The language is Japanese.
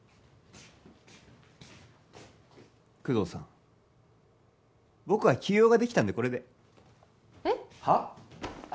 工藤さん僕は急用ができたんでこれでえっ！？はあ！？